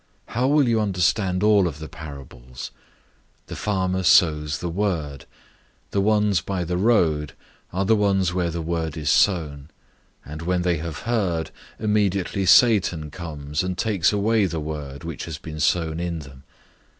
How will you understand all of the parables? 004:014 The farmer sows the word. 004:015 The ones by the road are the ones where the word is sown; and when they have heard, immediately Satan comes, and takes away the word which has been sown in them.